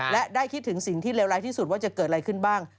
และได้คิดถึงสิ่งที่เลวร้ายที่สุดว่าจะเกิดอะไรขึ้นบ้าง